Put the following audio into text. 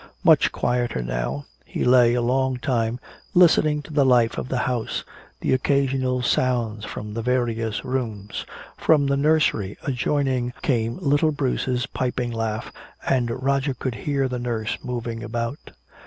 Much quieter now, he lay a long time listening to the life of the house, the occasional sounds from the various rooms. From the nursery adjoining came little Bruce's piping laugh, and Roger could hear the nurse moving about.